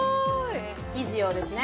生地をですね